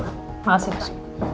terima kasih pak